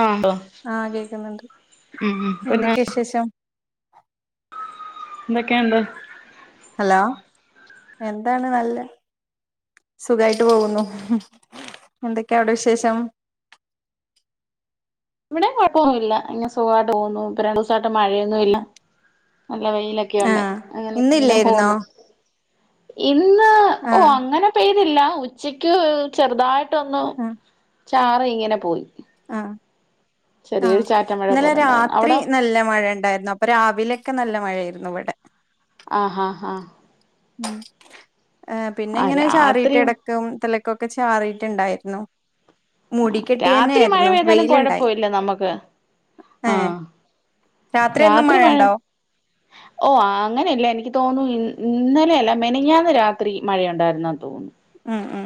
ആഹ് ആഹ് കേക്കുന്നുണ്ട് ഉം ഉം പിന്നെ എന്തൊക്ക്യെയാ വിശേഷം എന്തൊക്കെയുണ്ട് ഹലോ എന്താണ് നല്ലെ സുഖായിട്ട് പോകുന്നു എന്തൊക്കെ അവിടെ വിശേഷം ഇവ്ടെ കൊഴപ്പൊന്നുല്ല ഇങ്ങനെ സുഖവായിട്ട് പോവുന്നു ഇപ്പം രണ്ടോസായിട്ട് മഴയൊ ന്നുവില്ല നല്ല വെയിലൊക്ക്യെയുണ്ട് ആഹ് അങ്ങനെ ഇങ്ങനെ ഇന്നില്ലായിരുന്നോ പോവുന്നു ഇന്ന് ഓഹ് ആഹ് അങ്ങനെ പെയ്തില്ല ഉച്ചക്ക് ചെറുതായിട്ടൊന്ന് ആഹ് ചാറി ഇങ്ങനെ പോയി ആഹ് ചെറിയൊരു ആഹ് ചാറ്റൽ മഴ ഇന്നലെ പോലെ ഉണ്ടായിരുന്നു രാത്രി അവിടോ നല്ല മഴണ്ടാര്ന്നോ ഇപ്പം രാവിലെക്കെ നല്ല മഴയായിരുന്നു ഇവടെ ആഹ് ഹാ -ഹാ ഉം ഏഹ് പിന്നെ ആഹ് ഇങ്ങനെ രാത്രി ചാറീട്ട് എടക്കും തലക്കും ഒക്കെ ചാറീട്ടുണ്ടായിരുന്നു മൂടിക്കെട്ടിയന്നെ രാത്രി മഴ ആയിരുന്നു പെയ്താലും വെയിലുണ്ടായി കുഴപ്പമില്ല നമുക്ക് ആഹ് രാത്രിയെന്നും രാത്രി മഴ മഴയണ്ടോ ഓ അങ്ങനെയല്ല എനിക്ക് തോന്നു ഇന്ന് ഇന്നലെയല്ല മെനങ്ങാന്ന് രാത്രി മഴയുണ്ടായിരുന്നന്ന് തോന്നു ആഹ് -ആഹ്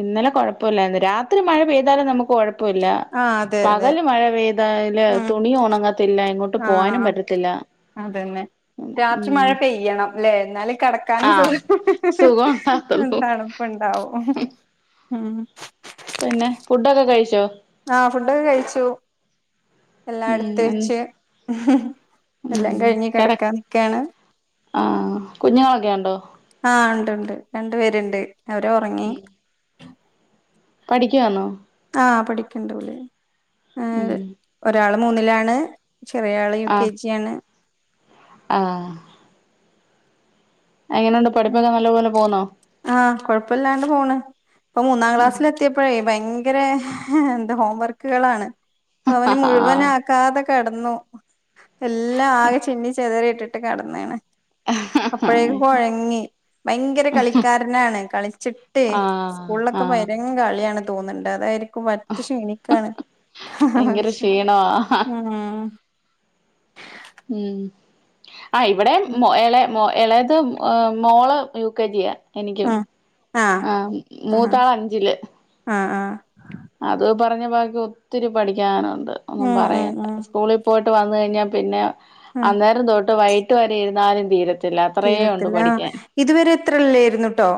ഇന്നലെ കൊഴപ്പൊല്ലാരുന്ന് രാത്രി മഴ പെയ്താലും നമുക്ക് കൊഴ പ്പൊല്ല ആഹ് അതെ അതെ പകല് മഴ പെയ്താല് ഉം തുണിയൊണങ്ങത്തില്ല എങ്ങോട്ട് ആഹ് പോവാനും പറ്റത്തില്ല അതന്നെ രാത്രി മഴ ഉം പെയ്യണം ല്ലേ എന്നാലേ കെടക്കാനും ആഹ് സുഖം സുഖം അഹ് ഉണ്ടാവുള്ളൂ തണു പ്പണ്ടാവും ഉം പിന്നെ ഫുഡൊക്കെ കഴിച്ചോ ആഹ് ഫുഡൊക്കെ കഴിച്ചു ഉം എല്ലാടുത്ത് എ വെച്ച് ഉം എല്ലാം കഴിഞ്ഞ് കെട കെടക്കാ നിക്കാണ് ആഹ് കുഞ്ഞുങ്ങളൊക്കെ ഒണ്ടോ ആഹ് ണ്ട്ണ്ട് രണ്ടു പേര്ണ്ട് അവരൊറങ്ങി പഠിക്കുവാന്നോ ആഹ് പഠിക്കണ്ട് ഓല് ഏഹ് ഉം ഒരാള് മൂന്നിലാണ് ചെറിയാള് യു കെ ആഹ് ജി ആണ് ആഹ് എങ്ങനൊണ്ട് പഠിപ്പൊക്കെ നല്ല പോലെ പോന്നോ ആഹ് കൊഴപ്പല്ലാണ്ട് പോണ് ഇപ്പൊ മൂന്നാം ക്ലാസ്സിലെത്തിയപ്പഴേ ഭയങ്കര എന്താ ഹോം വർക്കുകളാണ് പ്പവന് ആഹ് മുഴുവനാക്കാതെ കെടന്നു എല്ലാംആകെചിന്നിചെതറിയിട്ടിട്ട് ട്ട് കെടെന്ന്ണ് അപ്പൊഴെക്ക്‌കൊ ങ്ങി ഭയങ്കരകളിക്കാരനാണ് കളിച്ചിട്ടേയ് സ്കൂൾലൊക്കെ ആഹ് [unintelligible] കളിയാണ് തോന്ന്ണ്ട് അതായ്ര് ക്ക്‌ പറ്റെ ഷീണിക്കാണ് ഹ്ഹ്ഹ് ഭയങ്കര ക്ഷീണവാ ഉംഹ് ഉം ആ ഇവ്ടെം മോ എളെ എളേത് മോള് യൂകെജിയാ എനിക്കും ഉം ആഹ് ആഹ് മൂത്താളഞ്ച്ല്. ആഹ് ആഹ് അതു ഈ പറഞ്ഞബാക്കി ഒത്തിരി പഠിക്കാനൊണ്ട് ഉം ഉം ഒന്നുംപറയണ്ട ഉം സ്കൂളിൽപോയ്ട്ട് വന്ന്കഴ്ഞ്ഞാപിന്നെ ഉം അന്നേരംതൊട്ട് വൈകിട്ട് വരെ ഇരുന്നാലും തീരത്ത് തീരത്തില്ല ആഹ് ഇതുവരെത്രല്ലെയ്ര്ന്നുട്ടോ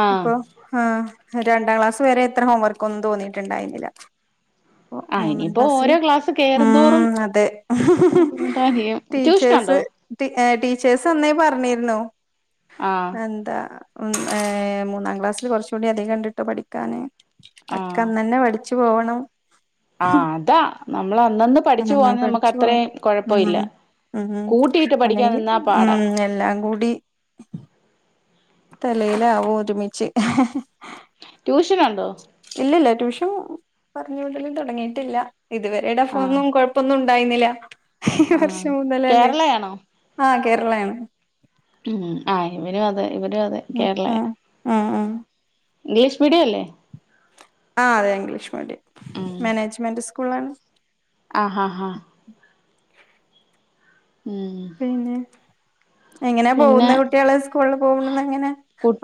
ആഹ് അപ്പൊ ആഹ് രണ്ടാംക്ലാസ് വരെ ഇത്ര ഹോംവർക്കൊന്നും തോന്നിയ്ട്ട്ണ്ടായിനില പ്പൊ ആഹ് മൂന്നാം ഇനിയിപ്പോ ഓരോ ക്ലാസ് കേറുന്തോറും ആഹ് അതെ ബുദ്ധിമുട്ടായിരിക്കും ട്യൂഷനുണ്ടോ ടീച്ചേഴസ് ടീ അഹ് ടീച്ചേഴസ് അന്നേ പറ്ഞ്ഞിര്ന്നു ആഹ് എന്താ ഉം ഏഹ് മൂന്നാം ക്ലാസ്സില് കൊറച്ചൂ ടിഅധികൊണ്ട്ട്ടോ പഠിക്കാന് ആഹ് ഒക്കന്നന്നെ പഠ് ച്ച് പോവണം. ആഹ് അതാ നമ്മളന്നന്ന്പഠിച്ച് ഉം പോവാന്നെ പഠിച്ചു പോണം നമുക്കത്രേം കൊഴപ്പവില്ല ഉം ഉം അല്ലെങ്കി ഉം എല്ലാംകൂടി തലേലാവും ഒരുമിച്ച് ട്യൂഷനൊണ്ടോ? ഇല്ലല്ല ട്യൂഷൻ പറ്ഞ്ഞ് വിടലും തൊടങ്ങിയിട്ടില്ല ഇതുവരെ ആഹ് ടെഫോന്നുംകൊഴ് ഇപ്പൊന്നുംണ്ടായീന്നല ഈ ആഹ് വർഷംമുതലല്ലേ കേരളയാണോ ആഹ് കേരളയാണ് ഉം ആ ഇവനുംഅതെ ഇവരുംഅതെ ഉം കേരളയ ഉം ഉം ഉം ഇംഗ്ലീഷ്മീഡിയല്ലേ? ആഹ് അതെ ഇംഗ്ലീഷ്മീഡിയം മാനേജ്മെന്റ്സ്കൂളാണ് ആഹ്ഹാഹ മം പിന്നെ പിന്നെ എങ്ങനെപോവുന്നെ കുട്ടിയാള്, സ്കൂൾള്പോവ്ണത്എങ്ങനെ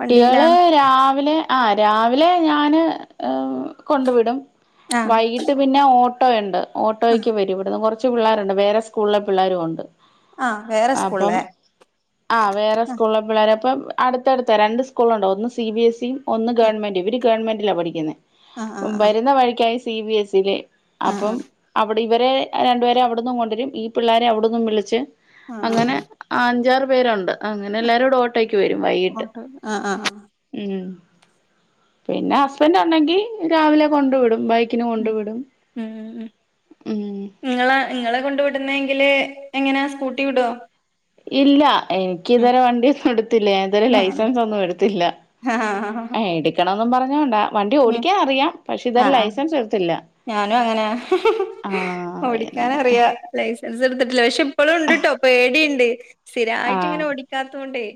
വണ്ടിയിലാ രാവിലെ ആഹ് രാവിലെ ഞാന് കൊണ്ട് വിടും ആ വൈകിട്ട്പിന്നെ ഓട്ടോയ്ണ്ട് ആ ഓട്ടോയ്ക്ക് വരും ഇവട്ന്ന്കൊറ് ച്ച്പിള്ളാര്ണ്ട് വേറെസ്കൂൾളെ പിള്ളേരുഉണ്ട് ആഹ് വേറെസ്കൂൾളെ ആഹ് വേറെസ്കൂൾള്ളെ പിള്ളേരപ്പം അട്ത്തട്ത്ത രണ്ട്സ്കൂൾളൊണ്ട് ഒന്ന് സി ബി എസി ഒന്ന് ഗവൺമെന്റ്, ഇവര് ഗവൺമെന്റിലാ പഠിക്ക്ന്നെ ആഹ് ആഹ് വരുന്നവഴിക്കായി സിബിഎസിലെ ആ ആ അപ്പം അവ് ഇവരെ രണ്ടുപേരെ അവ്ട്ന്നും കൊണ്ടൊരും ഈപിള്ളാരെ അവിട്ന്നുംവിളിച്ച് ആ അങ്ങനെ ആഹ് അഞ്ചാറ്പേരുണ്ട്, അങ്ങനെല്ലാരുംടൊ ഓട്ടയ്ക്ക് വരുംവൈകിട്ട് ഓട്ടോ ആ ആ ആ ഉം പിന്നെഹസ്ബന്റ് ഉണ്ടെങ്കി രാവിലെകൊണ്ട് വിടും ബൈ ക്കിന് കൊണ്ട് ഉം വിടും ഉം ഇങ്ങള ഇങ്ങളകൊണ്ട് വിട്ന്നെങ്കില് എങ്ങനാ സ്കൂട്ടിവിടോ? ഇല്ല എനി ക്ക്തരെ വണ്ടിന്നുംഇടുത്തില്ല ഞാൻ ഇതവരെ അങ്ങനെ ലൈസൻസൊന്നും ഇടുത്തില്ല ആ എട് ക്കണൊന്നുംപറഞ്ഞോണ്ടാ ഉം വണ്ടിഓടിക്കാൻ അറിയാം പക്ഷേ ഇതരെലൈസൻസ് എട്ത്തില്ല ഞാനുംഅങ്ങനെ പിന്നെ ഓടിക്കാനറിയാ ലൈസൻസ് ഇട്ത്തിട്ടില്ല പക്ഷെ ഇപ്പളുംണ്ട്ട്ടോ പേടിണ്ട് ആഹ് സ്ഥിരായിട്ട്ങ്ങനെ ഓടിക്കാത്തൊണ്ടേയ്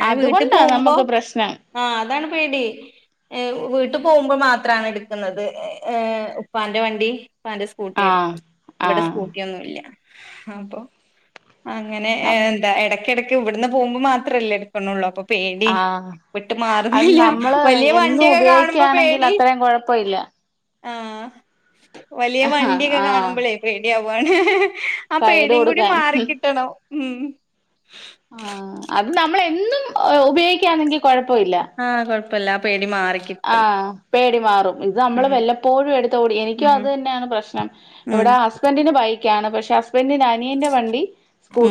ഞാന് അതുകൊണ്ടാ വീട്ട്പോവുമ്പോ നമുക്ക് പ്രശ്നം ആഹ് അതാണ്പേടി വീട്ട്പോവുമ്പോ മാത്രാണ് എട്ക്കുന്നത് ഏഹ് ഉപ്പാന്റെവണ്ടി ആഹ് ഉപ്പാന്റെസ്കൂട്ടിയെടുക്കും ഇവിടെ ആഹ് സ്കൂട്ടിയൊന്നുംല്ല. അപ്പൊ അങ്ങനെ നം ഏന്താ എടക്ക്ടക്ക് ഇവ്ട്ന്ന്പോവുമ്പോ മാത്രല്ലെ ഒന്നേള്ളൂ അപ്പൊ പേടി ആഹ് വിട്ട് അത് മാറുന്നില്ല. നമ്മള് വലിയ എന്നും വണ്ടിയൊക്കെ കാണുമ്പോ ഉപയോഗിക്കുകയാണെങ്കിൽ പേടി അത്രയും കുഴപ്പമില്ല ആ വലിയ വണ്ടിയൊക്കെ ആഹ് കാണുമ്പോളേ പേടിയാവ്വാണ് ആ സൈഡ് പേടിയും കൂടി കൊടുക്കാൻ മാറിക്കിട്ടണം. ഉം ആഹ് അത് നമ്മളെന്നും ഉപയോഗിക്കാന്നെങ്കിൽ കൊഴപ്പവില്ല. ആഹ് കൊഴപ്പില്ല ആ പേടി മാറി. ആഹ് പേടി മാറും ഇത് നമ്മള് ഉം വല്ലപ്പോഴും എടുത്തോടി എനിക്കും ഉം അത് തന്നെയാണ് പ്രശ്നം ഉം ഇവിടെ ഹസ്ബൻഡിന് ബൈക്ക് ക്കാണ് പക്ഷെ ഹസ്ബൻഡിന്റെ അനിയന്റെ വണ്ടി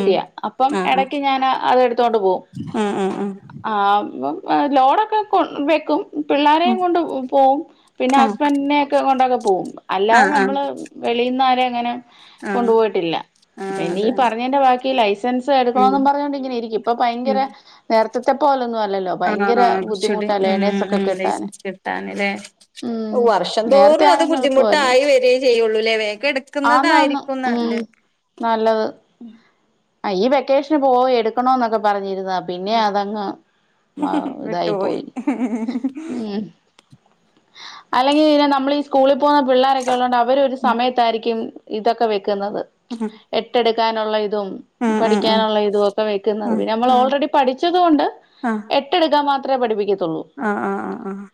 ഉം അപ്പം ആ ആ എടക്ക് ഞാന് അതെടുത്തോണ്ട് പോവും. ആഹ് ആഹ് ആഹ് ആഹ് ഞ ലോടൊക്കെ കൊ വെക്കും. ഉം പിള്ളാരെയും കൊണ്ട് പോവും പിന്നെ ഹസ്ബൻഡിനെയൊക്കെ കൊണ്ടൊക്കെ പോവും അല്ലാതെ ആഹ് ആഹ് നമ്മള് വെളിന്നാരേ അങ്ങനെ ആഹ് ആഹ് കൊണ്ടുപോയിട്ടില്ല, ആഹ് പിന്നെ ഈ അതാണ് പറഞ്ഞതിന്റെ ബാക്കി ലൈസ സെൻസ് ഉം എടുക്കണോന്നു പറഞ്ഞോണ്ടിങ്ങനെ ഇരിക്കും, ഇപ്പൊ ഭയങ്കര ഉം നേരത്തത്തെ പോലൊന്നും അല്ലല്ലോ ആഹ് ഭയങ്കര ആഹ് കുറച്ചൂടി ബുദ്ധിമുട്ടല്ലേ ഉം ലേർനേഴ്സ് ഉം ലൈസൻസ് കിട്ടാന്ല്ലേ, ഉം വർഷം നേരത്തെ തോറും അത് ആണെങ്കി എളുപ്പമായിരുന്നു ബുദ്ധിമുട്ടായി വരി ചെയ്യുള്ളൂല്ലേ വേം കെട ആന്നാന്ന് ഉം നല്ലത്. ആഹ് ഈ വെക്കേഷന് പോയി എടുക്കണോന്നൊക്കെ പറഞ്ഞിരുന്നതാ. പിന്നെ അതങ്ങ് മ ഇതായി വിട്ടുപോയി പോയി ഉം. അല്ലെങ്കിലും ഇങ്ങനെ നമ്മളീ സ്കൂളിൽ പോകുന്ന പിള്ളേരൊക്കെ ഉള്ളോണ്ട് അവരൊരു ഉം സമയത്തായിരിക്കും ഇതൊക്കെ വെക്കുന്നത്. ഉ ഹു എട്ടെടുക്കാനുള്ള ഇതും പഠിക്കാനുള്ള ഇതുവൊക്കെ വെക്കുന്നത്. ആഹ് പിന്നെ നമ്മൾ ആഹ് ഓൾറെഡി പഠിച്ചത് കൊണ്ട് ആഹ് ആഹ് എ ട്ടെടുക്കാൻ മാത്രേ പഠിപ്പിക്കു ആഹ് ആഹ് ആഹ് ആഹ്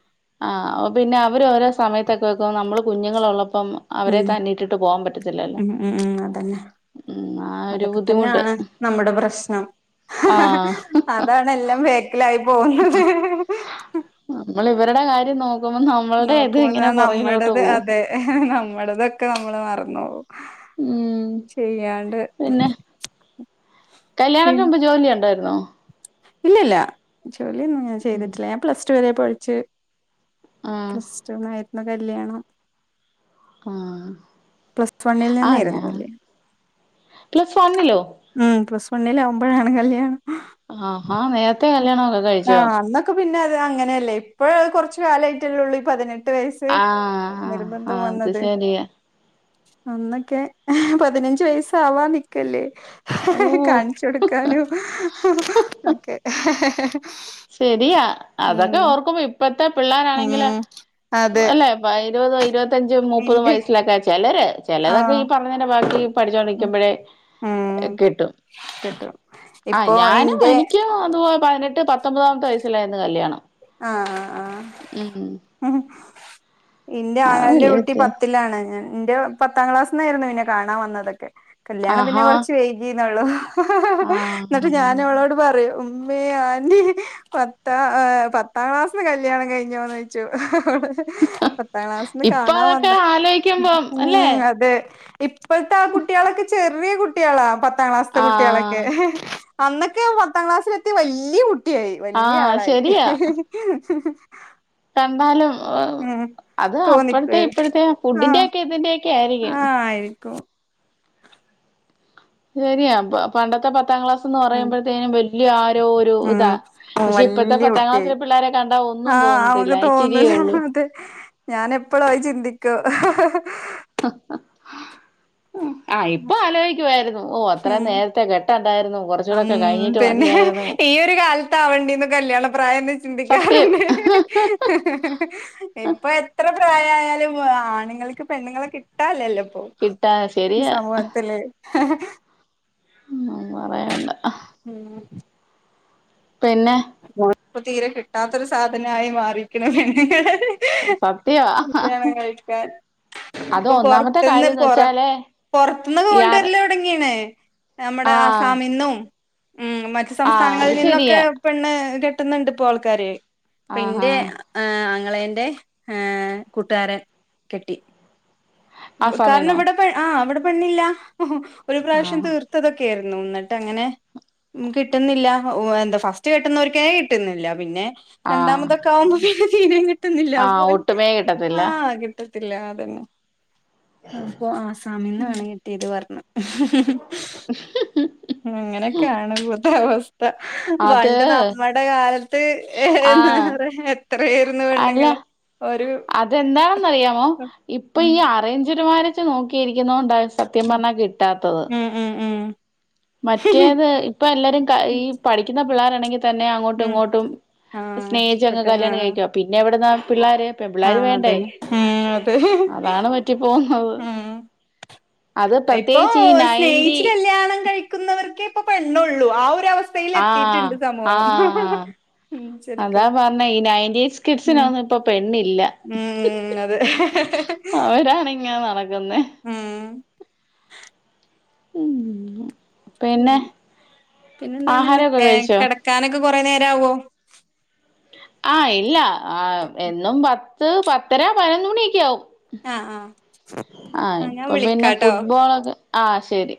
ആഹ് പിന്നെ അവരോരോ സമയത്തൊക്കെ വെക്കുമ്പം നമ്മള് കുഞ്ഞുങ്ങളുള്ളപ്പം അവരെ ഉം തന്നെയിട്ടിട്ട് പോകാൻ പറ്റത്തില്ലല്ലോ. ഉം ഉം ഉം അതന്നെ ഉം ആ ഒരു അതൊക്കെ ബുദ്ധിമുട്ട്. തന്നെയാണ് നമ്മുടെ പ്രശ്നം ആഹ് അതാണെല്ലാം ബേക്കിലായി പോകുന്നത്. ആഹ് നമ്മളിവരുടെ കാര്യം നോക്കുമ്പം നമ്മളുടെ ഇത് നോക്കുമ്പോത ഇങ്ങനെ പുറകിലോട്ട് നമ്മടത് പോവും. അതെ നമ്മടതൊക്കെ നമ്മള് മറന്ന് പോവും. ഉം ചെയ്യാണ്ട് പിന്നെ കല്യാണത്തിന് മുമ്പ് ജോലി ഒണ്ടായിരുന്നോ? ഇല്ലില്ല ജോലിയൊന്നും ഞാൻ ചെയ്തിട്ടില്ല ഞാൻ പ്ലസ് ടു വരെ പഠിച്ച് ആഹ് പ്ലസ്ടുന്നായിരുന്നു കല്യാണം. ആഹ് പ്ലസ് വണ്ണിൽ ആഹ് ഞാ നിന്നായിരുന്നു കല്യാണം പ്ലസ് വണ്ണിലോ? ഉം പ്ലസ് വണ്ണിലാവുമ്പഴാണ് കല്യാണം. ആഹാ നേരത്തെ കല്യാണം ഒക്ക ആഹ് അന്നൊക്കെ പിന്നെ അത് അങ്ങനെയല്ലേ ഇപ്പഴ് കുറച്ചു കാലായിട്ടല്ലേ ഉള്ളൂ ഈ പതിനെട്ട് വയസ്സ് ക് ആഹ് നിർബന്ധം ആഹ് അത് വന്നത്. ശരിയാ അന്നൊക്കെ പതിനഞ്ച് വയസ്സാവാൻ ആവാൻ നി ക്കല്ലേ കാണിച്ചു ഓ കൊടുക്കാനും ഒക്കെ. ശരിയാ അതൊക്കെ ഉം ഓർക്കുമ്പോ ഇപ്പത്തെ പിള്ളാരാണെങ്കില് ഉം അതെ അല്ലെ പ്പ ഇരുപതും ഇരുപത്തഞ്ചും മുപ്പതും ഇന്റെ വയസ്സിലൊക്കെയാ ചെലര് ചെലതൊക്കെ ആഹ് ഈ പറഞ്ഞതിന്റെ ബാക്കി ഉം പഠിച്ചോണ്ടിരിക്കുമ്പഴേ ഉം കെട്ടും കിട്ടും ആഹ് ഇപ്പൊ ഞാനും ഇന്റെ എനിക്കും അതു പോലെ പതിനെട്ട് പത്തൊമ്പതാമത്തെ വയസ്സിലായിരുന്ന് കല്യാണം. ആഹ് ആഹ് ഉം ആഹ് എന്റെ അത് ആങ്ങളെന്റെ വലിയ കുട്ടി വ്യത്യാസം പത്തിലാണ് ഞാൻ എന്റെ പത്താം ക്ലാസ്ന്നായിരുന്നു എന്നെ കാണാൻ വന്നതൊക്കെ കല്യാണം പിന്നെ ആഹാ കുറച്ച് വൈകിന്നേള്ളൂ. ആ ന്നിട്ട് ഞാൻ അവളോട് പറയും ഉമ്മേ ആന്റി പത്ത ആഹ് പ ത്താം ക്ലാസ്സിന് കല്യാണം കഴിഞ്ഞോന്നോയ്ച്ചു. പത്താം ക്ലാസിന്ന് ഇപ്പൊ കാണാൻ അതൊക്കെ വന്നാ ആലോയിക്കുമ്പം അല്ലേ ഉം അതെ ഇപ്പൾത്തെ ആ കുട്ട്യാളൊക്കെ ചെറിയ കുട്ട്യാളാ പത്താം ക്ലാസ്ത്തെ ആ കുട്ട്യാളൊക്കെ. അന്നൊക്കെ പത്താം ക്ലാസ്സിലെത്തി വല്ല്യ കുട്ട്യായി ആ വല്ല്യാളായി. ശരിയാ കണ്ടാലും അത് തോന്നിക്ക് അപ്പഴത്തെ ഇപ്പോഴത്തെ ഫുഡിന്റെ ആഹ് ഒക്കെ ഇതിന്റെ ആഹ് ആയിരിക്കും ശരിയാ പ പണ്ടത്തെ പത്താം ക്ലാസ് സ്ന്ന് ഉം പറയുമ്പോഴത്തേക്കും വല്ല്യ ആരോ ഒരു ഇതാ ഉം പക്ഷെ ഇപ്പൾത്തെ വല്യ പത്താം കുട്ടിയായി ക്ലാസിലെ പിള്ളേരെ കണ്ടാ ഒന്നും ആഹ് ആഹ് തോന്നത്തില്ല ഓന് ഇച്ചിരിയേ തോന്നലാ ഉള്ളൂ അതെ ഞാനെപ്പളും അത് ചിന്തിക്കും. [unintelligible] ആഹ് ഇപ്പ ആലോയിക്കുവായിരുന്നു ഓഹ് അത്രേം നേരത്തെ കെ ട്ടണ്ടായിരുന്നു ഹ്മ്മ്, പിന്നെ ഈയൊരു കാലത്താവണ്ടീന്നു കല്യാണ പ്രായന്ന്‌ സത്യം ചിന്തിക്കാറ്ണ്ട് [unintelligible] ഇപ്പ എത്ര പ്രായായാലും ആണ്ങ്ങൾക്ക് പെണ്ണ്ങ്ങളെ കിട്ടാല്ലല്ലോ ഓഹ് കിട്ടാ ഈ ശരിയാ സമൂഹത്തില് ഹ്മ്മ് ഒന്നും പറയണ്ട ഹ്മ്മ് പിന്നെ മോന് ഇപ്പം തീരെ കിട്ടാത്തൊരു സാധനായി മാറീക്ക്‌ണ് പെണ്ണ് [unintelligible] സത്യവാ [unintelligible] കല്യാണം കഴിക്കാൻ അത് ഇപ്പ ഒന്നാമത്തെ പൊർത്ത്ന്ന് കാര്യംന്ന് പൊറ വെച്ചാലേ പൊർത്ത്ന്നൊക്കെ ഇയാർ കൊണ്ടരല് തൊടങ്ങിണ്‌ നമ്മുടെ ആ ആസാമിന്നും ഹ്മ്മ് മറ്റു ആ അത് സംസ്ഥാനങ്ങളിൽ നിന്നൊക്കെ ശരിയാ പെണ്ണ് കെട്ടുന്ന്ണ്ട് ഇപ്പോ ആൾക്കാര്, ആഹാ ഇപ്പെന്റെ ഏഹ് ആങ്ങെളെന്റെ ഏഹ് കൂട്ടുകാരൻ കെട്ടി. ആ കാരണം സമയന്നോ ഇവടെ പെ ആഹ് ഇവടെ പെണ്ണില്ല ഒര് ആ പ്രാവശ്യം തീർ ത്തതൊക്കെര്ന്നു ഇന്നട്ടങ്ങനെ, ഹ്മ്മ് കിട്ടുന്നില്ല എന്താ ഫസ് റ്റ് കെട്ടുന്നോർക്കേ കിട്ടുന്നില്ല പിന്നെ ആ രണ്ടാമതൊക്കെ ആവുമ്പോ പിന്നെ തീരേ കി ട്ടുന്നില്ല, ആഹ് അപ്പോൻ ഒട്ടുമേ കിട്ടത്തില്ല ആഹ് കി ട്ടത്തില്ല അതന്നെ, ആഹ് അപ്പൊ ആസാമിന്നാണ് കെട്ടിയത് പറഞ്ഞ് അങ്ങനൊക്കാണ് ഇവട്ത്തെ അവസ്ഥ വൻ അത് ഇന്നട്ട് നമ്മടെ കാലത്ത് ആഹ് എത്തറെ എത്രയായിരുന്നു പെണ്ണുങ്ങള് ഒരു അതെന്താണെന്ന് അറിയാമോ ഉം ഇപ്പ ഉം ഈ ആ അറേഞ്ച്ഡ്മാരേജ് നോക്കി ഇരിക്കുന്നോണ്ട സത്യം പറഞ്ഞാ കിട്ടാത്തത് ഹ്മ്മ് ഹ്മ്മ് മറ്റേത് ഇപ്പ എല്ലാരും ക ഈ പഠിക്കുന്ന പിള്ളാരാണെങ്കിൽ തന്നെ അങ്ങോട്ടും ഉം ഇങ്ങോട്ടും ആഹ് സ്നേഹിച്ചങ്ങ് ഇഷ്ടപ്പെട്ട് കല്യാണം ആഹ് കഴിക്കാ, പിന്നെ എവട്ന്ന പിള്ളാര് ആഹ് അതെന്നെ ഏഹ് അതെ അതാണ് പറ്റി പോകുന്നത് ആഹ് അത് ഇപ്പൊ പ്രത്യേകിച്ച് ഈ നയന്റി സ്നേഹിച്ച് കല്യാണം കഴിക്കുന്നവർക്കേ ഇപ്പ പെണ്ണൊള്ളൂ ആ ഒരവസ് ആഹ് സ്ഥയ്ലെത്തിട്ട്ണ്ട് സമൂഹം [inaudible] ശരിക്കും പിന്നെ ഉം നയറ്റീൻസ്കിഡ്സിനൊന്നും ഇപ്പൊ പെണ്ണില്ല ഉം [unintelligible] അവരാണിങ്ങനെ നടക്കുന്നെ ഹ്മ്മ് ഹ്മ്മ്, പിന്നെ ആഹാരൊക്കെ കഴിച്ചോ ക്കാനൊക്കെ കൊറേ നേരവോ ആഹ് ഇല്ല ആഹ് എന്നും പത്ത് പത്തര പതിനൊന്ന് മണിയൊക്കെ ആവും ആഹ് ആഹ് ആഹ് ഞാൻ ഇപ്പം പിന്നെ വിളിക്കാട്ടോ ഫുട്ബോളൊക്ക ആഹ് ശെരി